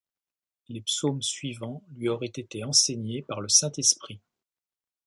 Les psaumes suivants lui auraient été enseignés par le Saint-Esprit.